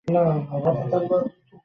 তাহলে আলো নিভিয়ে দিলাম।